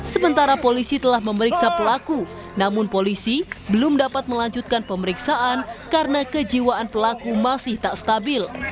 sementara polisi telah memeriksa pelaku namun polisi belum dapat melanjutkan pemeriksaan karena kejiwaan pelaku masih tak stabil